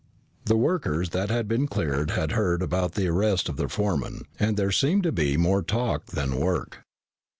The workers that had been cleared had heard about the arrest of their foreman, and there seemed to be more talk than work.